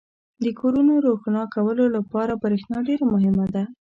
• د کورونو روښانه کولو لپاره برېښنا ډېره مهمه ده.